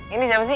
ini siapa sih